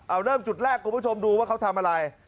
เอาเริ่มจุดแรกคุณผู้ชมดูว่าเขาทำอะไร